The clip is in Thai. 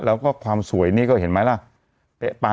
แล้วก็ความสวยนี่ก็เห็นไหมล่ะ